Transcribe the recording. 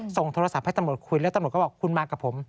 ส่งโทรศัพท์ให้ตำรวจคุยแล้วตำรวจก็บอกคุณมากับผม